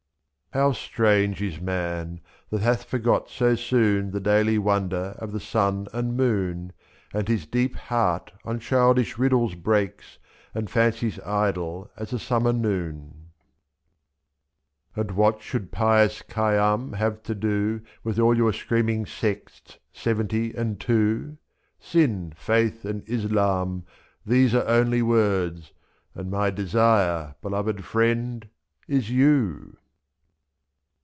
How strange is man, that hath forgot so soon The daily wonder of the sun and moon, lip And his deep heart on childish riddles breaks. And fancies idle as a summer noon. 85 And what should pious Khayyam have to do With all your screaming sects seventy and two? Zif Sin, Faith, and Islam — these are only words, And my desire. Beloved Friend, is You.